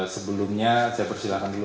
sebelumnya saya persilahkan dulu